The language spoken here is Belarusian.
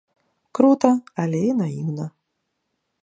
Крута, але і наіўна.